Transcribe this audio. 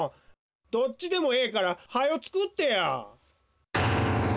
どっちでもええからはよつくってや！